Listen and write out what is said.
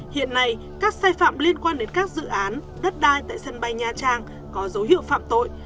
hiện nay các sai phạm liên quan đến các dự án đất đai tại sân bay nha trang có dấu hiệu phạm tội